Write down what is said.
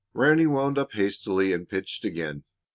Ranny wound up hastily and pitched again.